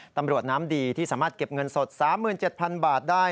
ตำรวจน้ำดีที่สามารถเก็บเงินสด๓๗๐๐บาทได้